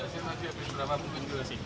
udah siap mas ya abis berapa mumpung juga sih